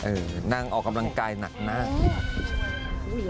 เออนั่งออกกำลังกายหนักนัก